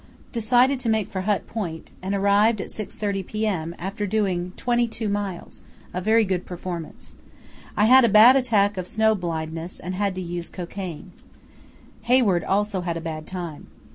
Decided to make for Hut Point, and arrived at 6.30 p.m., after doing twenty two miles, a very good performance. I had a bad attack of snow blindness and had to use cocaine. Hayward also had a bad time.